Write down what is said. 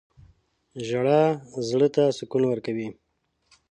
• ژړا زړه ته سکون ورکوي.